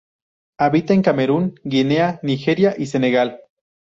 Habita en Camerún, Guinea, Nigeria y Senegal.